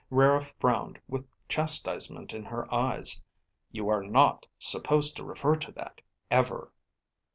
Rara frowned with chastisement in her eyes. "You are not supposed to refer to that, ever."